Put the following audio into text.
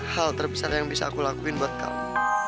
hal terbesar yang bisa aku lakuin buat kamu